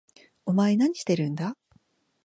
お前何してるんだ？